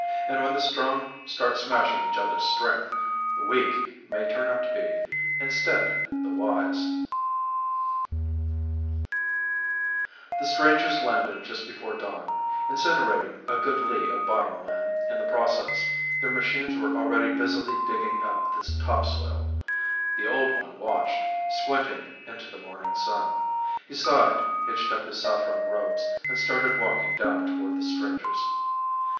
And when the Strong start smashing each other's strength ... the Weak may turn out to be, instead, the Wise._ BY G. C. EDMONDSON Illustrated by Freas The strangers landed just before dawn, incinerating a good li of bottom land in the process. Their machines were already busily digging up the topsoil. The Old One watched, squinting into the morning sun. He sighed, hitched up his saffron robes and started walking down toward the strangers.